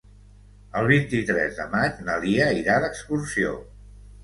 El vint-i-tres de maig na Lia irà d'excursió.